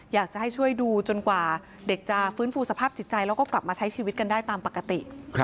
อยากจะให้ช่วยดูจนกว่าเด็กจะฟื้นฟูสภาพจิตใจแล้วก็กลับมาใช้ชีวิตกันได้ตามปกติ